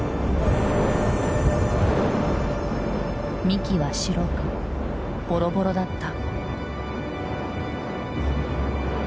幹は白くボロボロだった。